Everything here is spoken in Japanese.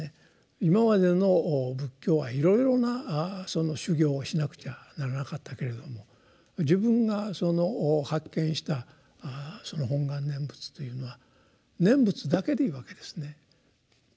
今までの仏教はいろいろなその修行をしなくちゃならなかったけれども自分が発見したその本願念仏というのは念仏だけでいいわけですね。